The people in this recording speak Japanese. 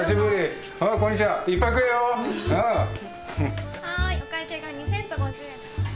はいお会計が２，０００と５０円ですね。